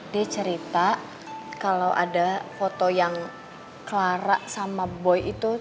dia cerita kalau ada foto yang clara sama boy itu